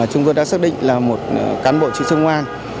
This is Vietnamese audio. chúng tôi đã xác định là một cán bộ trị sương ngoan